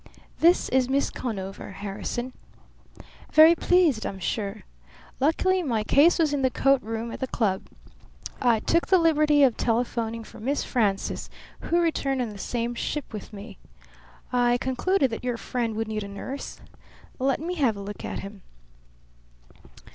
"This is Miss Conover, Harrison." "Very pleased, I'm sure. Luckily my case was in the coat room at the club. I took the liberty of telephoning for Miss Frances, who returned on the same ship with me. I concluded that your friend would need a nurse. Let me have a look at him."